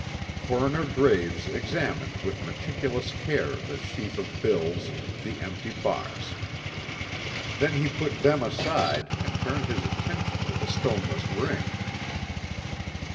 Coroner Graves examined with meticulous care the sheaf of bills, the empty box. Then he put them aside and turned his attention to the stoneless ring.